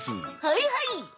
はいはい！